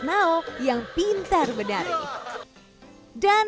maka kamu akan siis tipo di sekolah